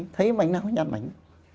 thấy mảnh nào nhặt mảnh